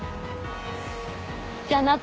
じゃあなっ